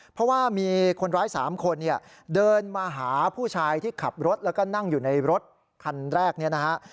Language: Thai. เพราะว่ามีคนร้าย๓คนเนี่ยเดินมาหาผู้ชายที่ขับรถแล้วก็นั่งอยู่ในรถคันแรกเนี่ยนะฮะ